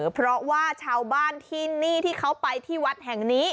เพราะว่าชาวบ้านที่นี่ที่เขาไปที่วัดแห่งนี้